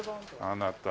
あなた。